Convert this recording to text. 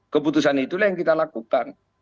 keputusan itulah yang kita lakukan